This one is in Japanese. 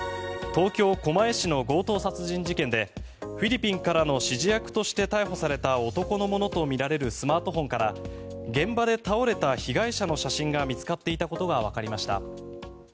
東京・狛江市の強盗殺人事件でフィリピンからの指示役として逮捕された男のものとみられるスマートフォンから現場で倒れた被害者の写真が見つかっていたことがわかりました。